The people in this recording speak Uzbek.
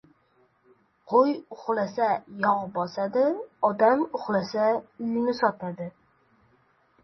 • Qo‘y uxlasa — yog‘ bosadi, odam uxlasa — uyini sotadi.